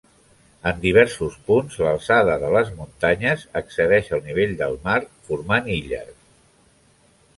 En diversos punts, l'alçada de les muntanyes excedeix el nivell de mar, formant illes.